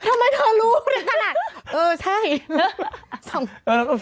ทำไมเธอรู้เลยกันอ่ะ